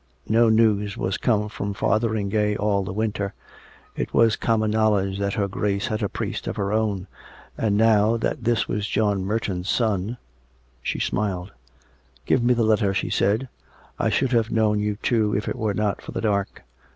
No news was come from Fotheringay all the winter; it was common knowledge that her Grace had a priest of her own. And now that this was John Mer ton's son She smiled. " Give me the letter," she said. " I should have known you, too, if it were not for the dark."